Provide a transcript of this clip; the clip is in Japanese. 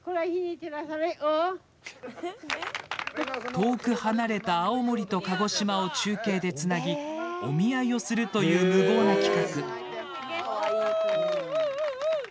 遠く離れた青森と鹿児島を中継でつなぎ、お見合いをするという無謀な企画。